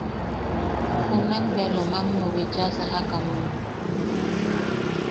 Junakbea Lomammeu bicha sajakame.